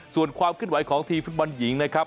ส่วนความเคลื่อนไหวของทีมฟุตบอลหญิงนะครับ